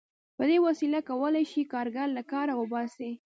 په دې وسیله کولای شي کارګر له کاره وباسي